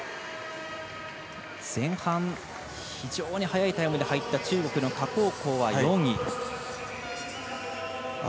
前半、非常に速いタイムで入った中国の賈紅光は４位。